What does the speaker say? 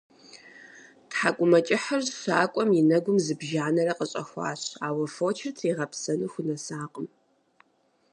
ТхьэкӀумэкӀыхьыр щакӀуэм и нэгум зыбжанэрэ къыщӀэхуащ, ауэ фочыр тригъэпсэну хунэсакъым.